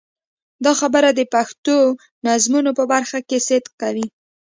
دا خبره د پښتو نظمونو په برخه کې صدق کوي.